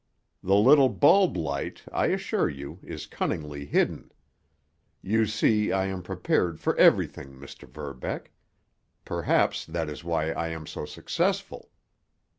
The little bulb light, I assure you, is cunningly hidden. You see, I am prepared for everything, Mr. Verbeck. Perhaps that is why I am so successful."